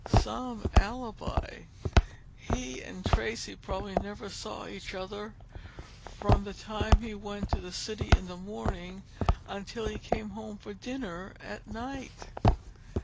Some alibi! He and Tracey probably never saw each other from the time he went to the city in the morning until he came home for dinner at night."